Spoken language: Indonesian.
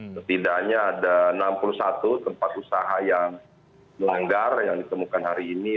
setidaknya ada enam puluh satu tempat usaha yang melanggar yang ditemukan hari ini